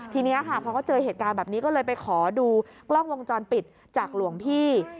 ทีนี้ค่ะพอเขาเจอเหตุการณ์แบบนี้ก็เลยไปขอดูกล้องวงจรปิดจากหลวงพี่